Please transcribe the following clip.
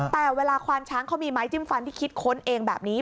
แต่เวลาควานช้างเขามีไม้จิ้มฟันที่คิดค้นเองแบบนี้